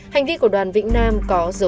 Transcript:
hành vi của đoàn vĩnh nam có dấu dấu